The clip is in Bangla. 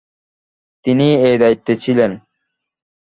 তিনি এই দায়িত্বে ছিলেন।